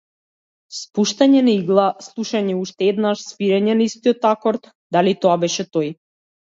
Спуштање на игла, слушање уште еднаш, свирење на истиот акорд, дали тоа беше тој?